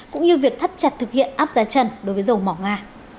cũng như việc thắt chặt thực hiện áp giá trần đối với dầu mỏ nga